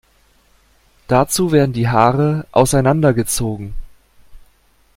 Dazu werden die Haare auseinandergezogen.